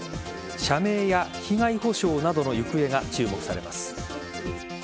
社名や被害補償などの行方が注目されます。